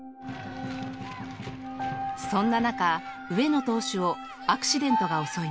そんな中、上野投手をアクシデントが襲います